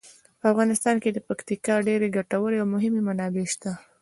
په افغانستان کې د پکتیکا ډیرې ګټورې او مهمې منابع شته.